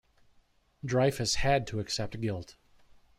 Dreyfus had to accept guilt.